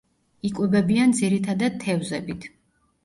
იკვებებიან ძირითადად თევზებით.